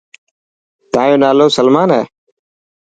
تايون نالو سلمان هي.